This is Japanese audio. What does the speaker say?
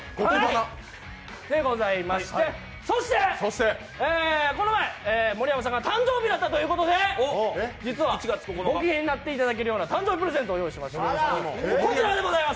そして、この前、盛山さんが誕生日だったということで実はご機嫌になっていただけるような誕生日プレゼントを用意しました。